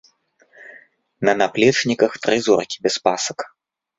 На наплечніках тры зоркі без пасак.